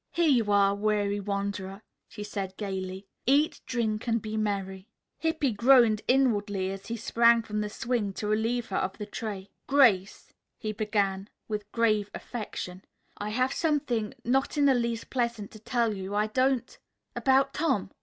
"Here you are, weary wanderer," she said gayly. "Eat, drink and be merry." [Illustration: "Here You Are, Weary Wanderer," She Said Gayly.] Hippy groaned inwardly as he sprang from the swing to relieve her of the tray. "Grace," he began with grave affection, "I have something not in the least pleasant to tell you. I don't " "About Tom?"